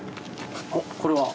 おっこれは？